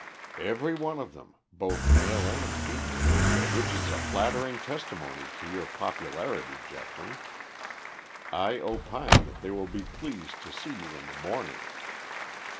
"Every one of them, both male and female, which is a flattering testimony to your popularity, Geoffrey. I opine that they will be pleased to see you in the morning.